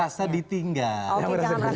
jangan merasa ditinggal